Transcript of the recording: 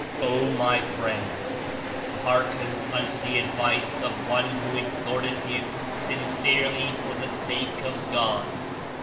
"O my friends ! Hearken unto the advice of one who exhorteth you sincerely for the sake of God.